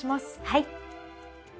はい。